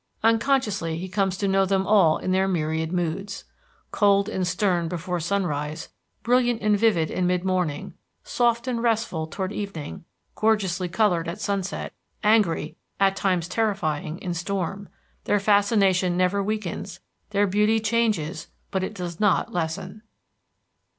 Unconsciously he comes to know them in all their myriad moods. Cold and stern before sunrise, brilliant and vivid in mid morning, soft and restful toward evening, gorgeously colored at sunset, angry, at times terrifying, in storm, their fascination never weakens, their beauty changes but it does not lessen.